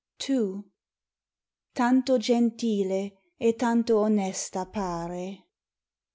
II. '_Tanto gentile e tanto onesta pare.